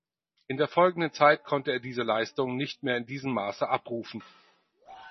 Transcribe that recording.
In der folgenden Zeit konnte er diese Leistung nicht mehr in diesem Maße abrufen.